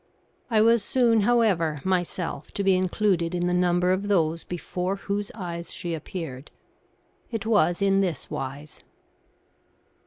I was soon, however, myself to be included in the number of those before whose eyes she appeared. It was in this wise.